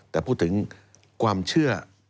แต่พูดถึงความเชื่อ